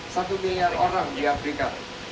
satu miliar orang di afrika